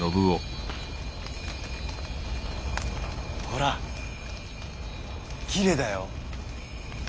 ほらきれいだよ。